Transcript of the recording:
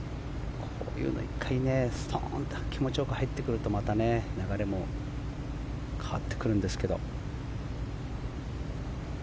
こういうの１回ストンと気持ちよく入ってくるとまた流れも変わってくるんですけど。